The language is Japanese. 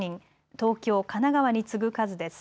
東京、神奈川に次ぐ数です。